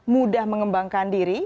mudah mengembangkan diri